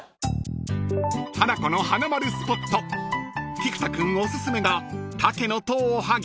［ハナコのはなまるスポット菊田君おすすめが］